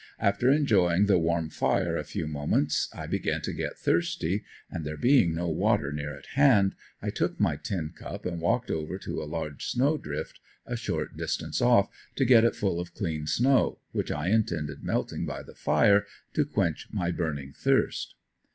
After enjoying the warm fire a few moments, I began to get thirsty and there being no water near at hand, I took my tin cup and walked over to a large snow drift a short distance off, to get it full of clean snow, which I intended melting by the fire to quench my burning thirst.